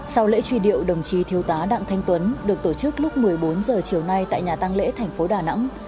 sau lễ truy điệu đồng chí thiếu tá đạng thanh tuấn được tổ chức lúc một mươi bốn h chiều nay tại nhà tăng lễ tp đà nẵng